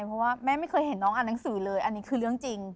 เพราะว่าแม่ไม่เคยเห็นน้องอ่านหนังสือเลยอันนี้คือเรื่องจริง